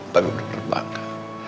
tapi bener bener bangga